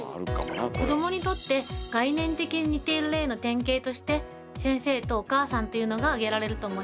子どもにとって概念的に似ている例の典型として「先生」と「お母さん」っていうのが挙げられると思います。